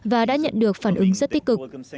và đã nhận được phản ứng rất tích cực